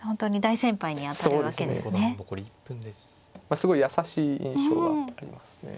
すごい優しい印象がありますね。